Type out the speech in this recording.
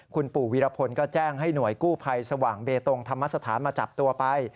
คุณปู่วีรพลก็แจ้งให้หน่วยกู้ภัยสว่างเบตงธรรมสถานมาจับตัวไป